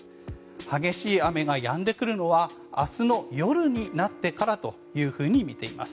激しい雨がやんでくるのは明日の夜になってからとみています。